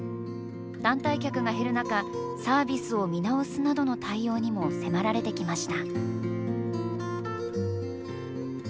団体客が減る中サービスを見直すなどの対応にも迫られてきました